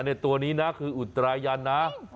ในตัวนี้นะคืออุตรายันนะ